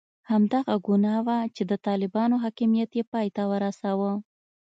هماغه ګناه وه چې د طالبانو حاکمیت یې پای ته ورساوه.